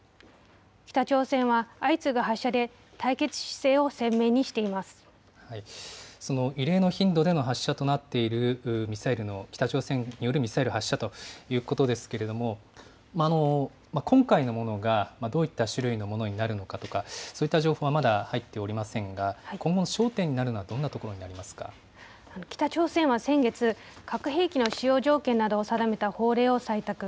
北朝鮮は相次ぐ発射で対決姿勢をその異例の頻度での発射となっているミサイルの北朝鮮によるミサイル発射ということですけれども、今回のものがどういった種類のものになるのかとか、そういった情報はまだ入っておりませんが、今後の焦点になるのはどんな北朝鮮は先月、核兵器の使用条件などを定めた法令を採択。